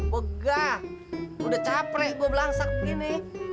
begah udah caprek gue belangsang begini